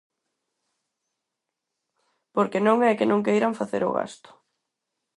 Porque non é que non queiran facer o gasto.